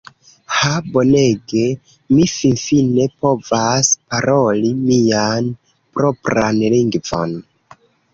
"Ha bonege! Mi finfine povas paroli mian propran lingvon!"